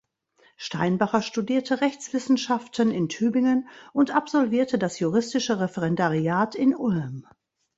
Steinbacher studierte Rechtswissenschaften in Tübingen und absolvierte das juristische Referendariat in Ulm.